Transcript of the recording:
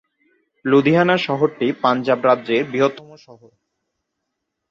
লুধিয়ানা শহরটি পাঞ্জাব রাজ্যের বৃহত্তম শহর।